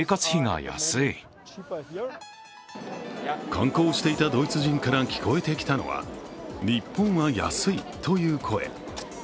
観光していたドイツ人から聞こえてきたのは日本は安いという声。